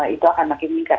itu akan makin meningkat